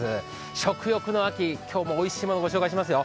食欲の秋、今日もおいしいものをご紹介しますよ。